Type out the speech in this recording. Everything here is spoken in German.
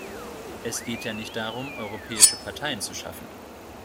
Es geht ja nicht darum, europäische Parteien zu schaffen.